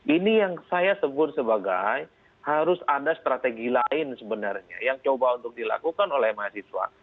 ini yang saya sebut sebagai harus ada strategi lain sebenarnya yang coba untuk dilakukan oleh mahasiswa